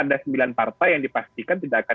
ada sembilan partai yang dipastikan tidak akan